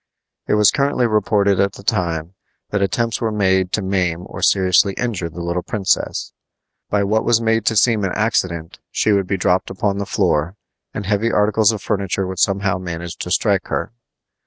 It was currently reported at the time that attempts were made to maim or seriously injure the little princess. By what was made to seem an accident, she would be dropped upon the floor, and heavy articles of furniture would somehow manage to strike her.